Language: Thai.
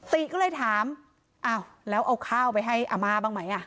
ติก็เลยถามอ้าวแล้วเอาข้าวไปให้อาม่าบ้างไหม